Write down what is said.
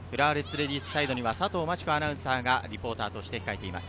レディースサイドには佐藤真知子アナウンサーがリポーターとして控えています。